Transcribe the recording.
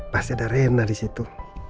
pasti ada rena di situ